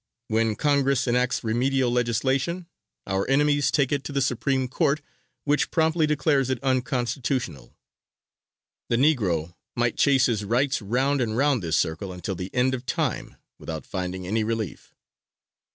When Congress enacts remedial legislation, our enemies take it to the Supreme Court, which promptly declares it unconstitutional." The Negro might chase his rights round and round this circle until the end of time, without finding any relief.